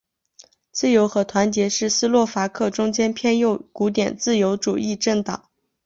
自由和团结是斯洛伐克中间偏右古典自由主义政党。